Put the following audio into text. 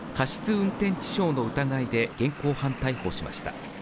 運転致傷の疑いで現行犯逮捕しました。